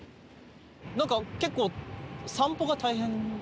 なんか結構散歩が大変？